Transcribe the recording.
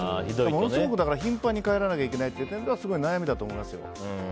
ものすごく頻繁に帰らなきゃいけないという点ではすごい悩みだと思いますよ。